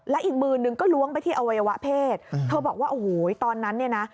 และอีกมือนึงก็ล้วงไปที่อวัยวะเพศเธอบอกว่าโอ้โหตอนนั้นเนี่ยนะ